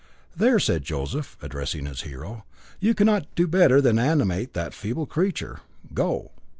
"There," said Joseph, addressing his hero. "You cannot do better than animate that feeble creature. Go!"